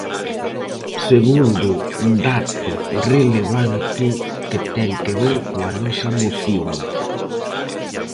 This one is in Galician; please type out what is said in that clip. Segundo dato relevante que ten que ver coa nosa moción.